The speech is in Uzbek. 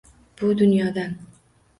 Bu dunyodan